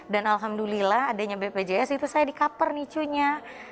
dan alhamdulillah adanya bpjs itu saya dikaper nicunya